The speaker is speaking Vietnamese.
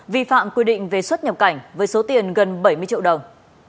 vi phạm quy định về xuất nhập cảnh với số tiền gần bảy mươi triệu đồng